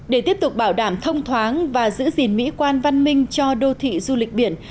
để tiếp tục bảo đảm thông thoáng và giữ gìn mỹ quan văn minh cho đô thị du lịch biển